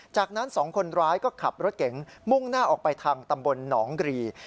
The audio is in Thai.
จากนั้นสองคนร้ายก็ขับรถเก๋งมุ่งหน้าออกไปทางตำบลหนองกรี